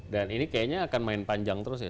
dan ini kayaknya akan main panjang terus ya